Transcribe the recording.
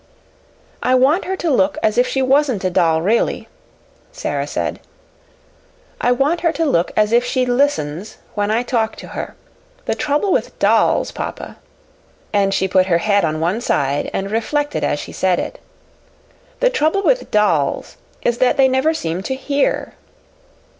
"I want her to look as if she wasn't a doll really," Sara said. "I want her to look as if she LISTENS when I talk to her. The trouble with dolls, papa" and she put her head on one side and reflected as she said it "the trouble with dolls is that they never seem to HEAR."